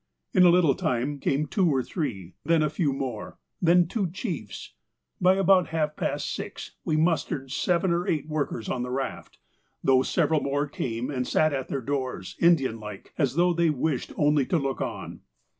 In a little time came two or three. Then a few more. Then two chiefs. By about half past six we mustered seven or eight workers on the raft, though several more came and sat at their doors, Indian like, as though they wished only to look on.